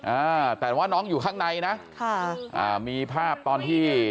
อ่าแต่ว่าน้องอยู่ข้างในนะค่ะอ่ามีภาพตอนที่